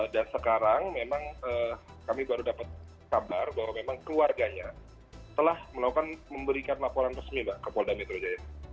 dan sekarang memang kami baru dapat kabar bahwa memang keluarganya telah melakukan memberikan laporan resmi mbak ke polda metro jaya